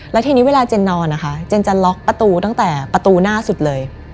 แล้วทีนี้เวลาเจนนอนนะคะเจนจะล็อกประตูตั้งแต่ประตูหน้าสุดเลย